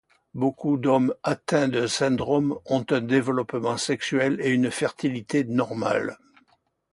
Beaucoup d'hommes atteints du syndrome ont un développement sexuel et une fertilité normale.